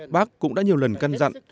bác cũng đã nhiều lần căn dặn